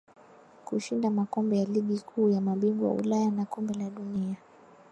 Kushinda makombe ya ligi kuu ya mabingwa Ulaya na Kombe la Dunia